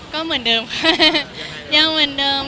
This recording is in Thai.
ก็เหมือนเดิมค่ะยังเหมือนเดิม